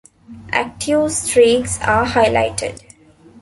Active streaks are highlighted.